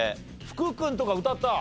福君とか歌った？